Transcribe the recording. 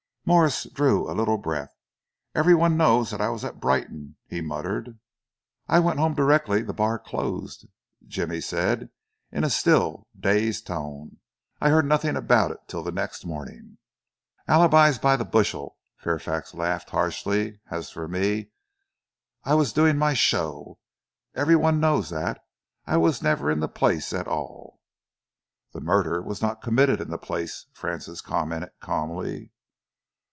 Morse drew a little breath. "Every one knows that I was at Brighton," he muttered. "I went home directly the bar here closed," Jimmy said, in a still dazed tone. "I heard nothing about it till the next morning." "Alibis by the bushel," Fairfax laughed harshly. "As for me, I was doing my show every one knows that. I was never in the place at all." "The murder was not committed in the place," Francis commented calmly.